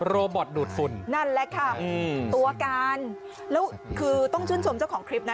โรบอตดูดฝุ่นนั่นแหละค่ะอืมตัวการแล้วคือต้องชื่นชมเจ้าของคลิปนะ